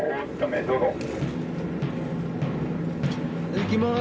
行きます。